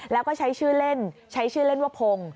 แล้วก็ใช้ชื่อเล่นใช้ชื่อเล่นว่าพงศ